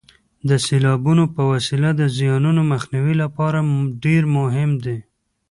د سیلابونو په وسیله د زیانونو مخنیوي لپاره ډېر مهم دي.